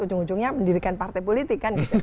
ujung ujungnya mendirikan partai politik kan gitu